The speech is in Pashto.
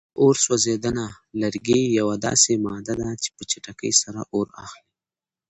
په اور سوځېدنه: لرګي یوه داسې ماده ده چې په چټکۍ سره اور اخلي.